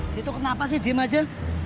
situ kenapa sih dim aja